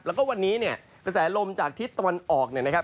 แล้วก็วันนี้เนี่ยกระแสลมจากทิศตะวันออกเนี่ยนะครับ